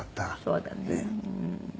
そうだね。